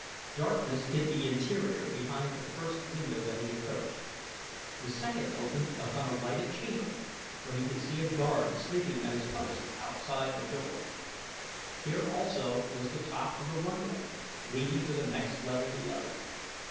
Darkness hid the interior behind the first window that he approached. The second opened upon a lighted chamber where he could see a guard sleeping at his post outside a door. Here also was the top of the runway leading to the next level below.